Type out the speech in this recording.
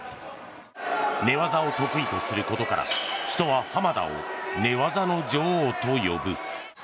寝技を得意とすることから人は濱田を寝技の女王と呼ぶ。